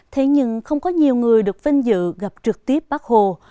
thế nhưng không có nhiều người được vinh dự gặp trực tiếp bác hồ